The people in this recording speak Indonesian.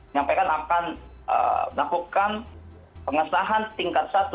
nyampaikan akan melakukan pengesahan tingkat satu